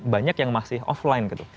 banyak yang masih offline gitu